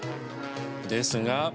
ですが